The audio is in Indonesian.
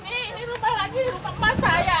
ini rumah lagi rumah emak saya